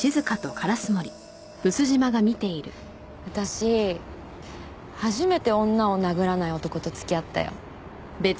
私初めて女を殴らない男と付き合ったよ。